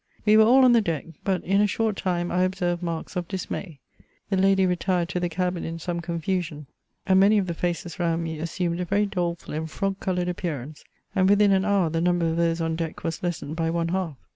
We were all on the deck; but in a short time I observed marks of dismay. The lady retired to the cabin in some confusion, and many of the faces round me assumed a very doleful and frog coloured appearance; and within an hour the number of those on deck was lessened by one half.